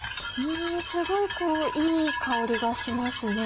すごいいい香りがしますね。